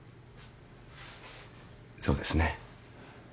そうですね。